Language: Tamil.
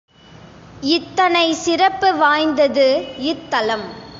இத்தனை சிறப்பு வாய்ந்தது இத் தலம்.